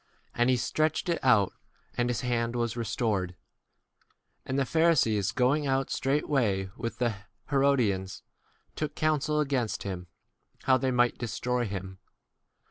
And he stretched [it] out, and his hand 6 was restored/ And the Pharisees going out straightway with the Herodians, took* 1 counsel against him, how they might destroy him.